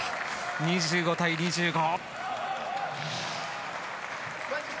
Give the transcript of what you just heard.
２５対２５。